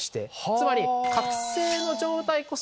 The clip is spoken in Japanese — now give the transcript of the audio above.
つまり。